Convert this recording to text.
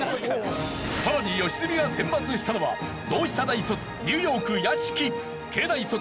さらに良純が選抜したのは同志社大卒ニューヨーク屋敷慶大卒弘中アナ。